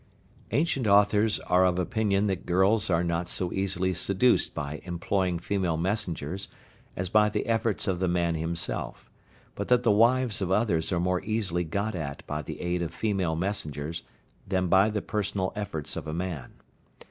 Ancient authors are of opinion that girls are not so easily seduced by employing female messengers as by the efforts of the man himself, but that the wives of others are more easily got at by the aid of female messengers than by the personal efforts of a man.